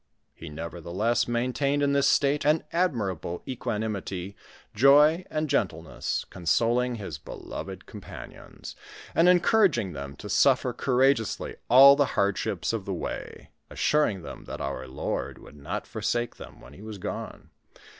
He nevertheless maintained in this state an admirable equa nimity, joy, and gentleness, consoling his beloved companions, and encouraging them to suffer courageously all the hardships of the way, assuring them that our Lord would not foreake them when he was gone.